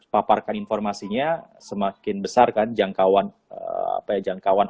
paparkan informasinya semakin besar kan jangkauan